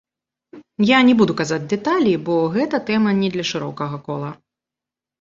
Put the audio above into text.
Я не буду казаць дэталі, бо гэта тэма не для шырокага кола.